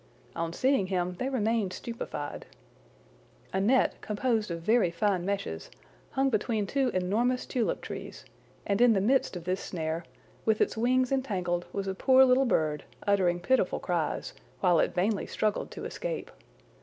On seeing him, they remained stupefied. A net, composed of very fine meshes, hung between two enormous tulip trees, and in the midst of this snare, with its wings entangled, was a poor little bird, uttering pitiful cries, while it vainly struggled to escape.